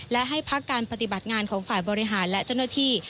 และให้พักการปฏิบัติงานของฝ่ายบริหารและเจ้าหน้าที่